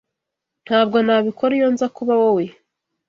Ntabwo nabikora iyo nza kuba wowe.